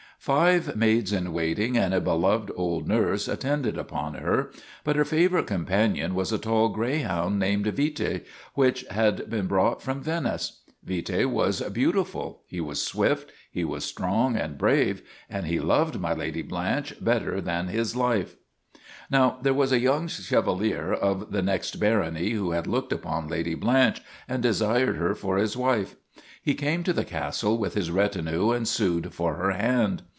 Five maids in waiting and a beloved old nurse at tended upon her, but her favorite companion was a tall greyhound named Vite which had been brought from Venice. Vite was beautiful, he was swift, he 239 240 HOUND OF MY LADY BLANCHE was strong and brave, and he loved My Lady Blanche better than his life. Now there was a young Chevalier of the next bar ony who had looked upon Lady Blanche and desired her for his wife. He came to the castle with his retinue and sued for her hand.